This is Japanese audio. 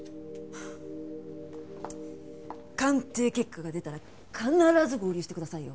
鑑定結果が出たら必ず合流してくださいよ！